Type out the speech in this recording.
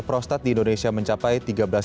prostat di indonesia mencapai